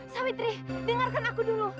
sawitri dengarkan aku dulu